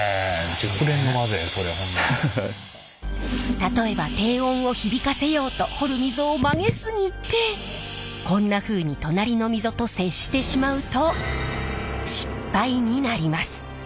例えば低音を響かせようと彫る溝を曲げ過ぎてこんなふうに隣の溝と接してしまうと失敗になります。